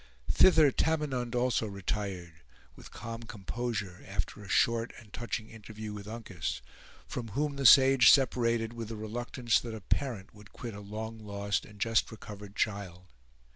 Thither Tamenund also retired, with calm composure, after a short and touching interview with Uncas; from whom the sage separated with the reluctance that a parent would quit a long lost and just recovered child.